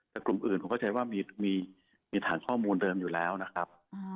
แต่กลุ่มอื่นผมเข้าใจว่ามีฐานข้อมูลเดิมอยู่แล้วนะครับ